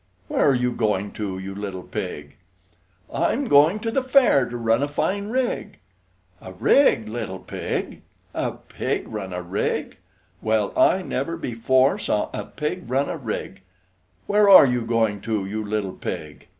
Where are you going to, you little pig? "I'm going to the fair to run a fine rig!" A rig, little pig! A pig run a rig! Well, I never before saw a pig run a rig! Where are you going to, you little pig?